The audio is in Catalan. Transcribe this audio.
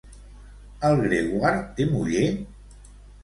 El Grégoire té muller?